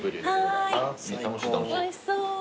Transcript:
おいしそう。